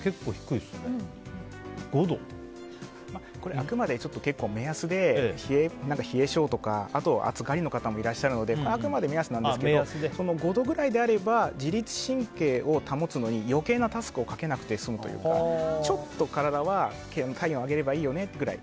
あくまで目安で冷え性とか暑がりの方もいらっしゃるのであくまで目安なんですけど５度くらいであれば自律神経を保つのに余計なタスクをかけなくて済むというかちょっと体は体温上げればいいよねぐらい。